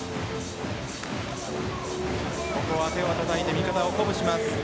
手をたたいて味方を鼓舞します。